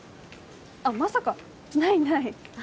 あっまさかないない。